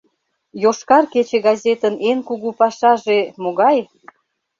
«ЙОШКАР КЕЧЕ» ГАЗЕТЫН ЭН КУГУ ПАШАЖЕ МОГАЙ?